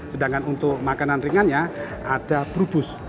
sedangkan untuk makanan ringannya ada brubus